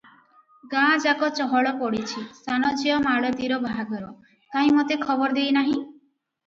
ଗାଁ ଯାକ ଚହଳ ପଡିଛି - ସାନ ଝିଅ ମାଳତୀର ବାହାଘର - କାହିଁ ମତେ ଖବର ଦେଇ ନାହଁ?